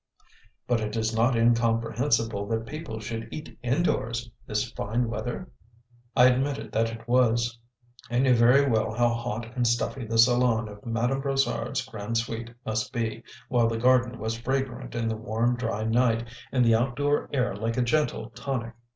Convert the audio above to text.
"But is it not incomprehensible that people should eat indoors this fine weather?" I admitted that it was. I knew very well how hot and stuffy the salon of Madame Brossard's "Grande Suite" must be, while the garden was fragrant in the warm, dry night, and the outdoor air like a gentle tonic.